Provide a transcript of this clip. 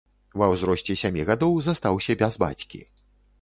Ва ўзросце сямі гадоў застаўся без бацькі.